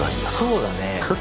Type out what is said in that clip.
そうだね。